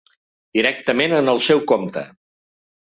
Directament en el seu compte.